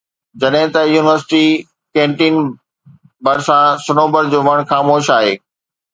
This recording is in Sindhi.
جڏهن ته يونيورسٽي ڪينٽين ڀرسان صنوبر جو وڻ خاموش آهي